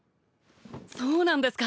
そうなんですか！